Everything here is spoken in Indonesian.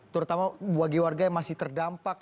terutama bagi warga yang masih terdampak